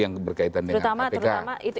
yang berkaitan dengan kpk